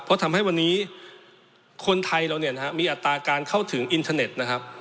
เพราะทำให้วันนี้คนไทยเราเนี่ยนะฮะมีอัตราการเข้าถึงอินเทอร์เน็ตนะครับ